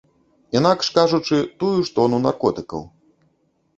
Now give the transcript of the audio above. Інакш кажучы, тую ж тону наркотыкаў.